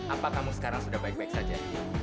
apa kamu sekarang sudah baik baik saja